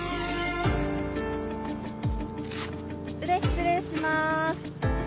腕失礼します